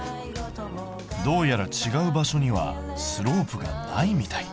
どうやら違う場所にはスロープがないみたい。